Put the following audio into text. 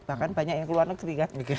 bahkan banyak yang keluar negeri kan